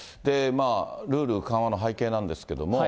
ルール緩和の背景なんですけれども。